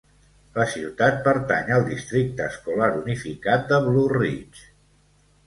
La ciutat pertany al districte escolar unificat de Blue Ridge.